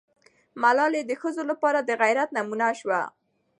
ملالۍ د ښځو لپاره د غیرت نمونه سوه.